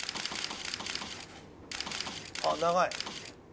あっ長い。